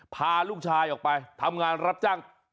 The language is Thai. พาลูกชายออกไปทำงานรับจ้าง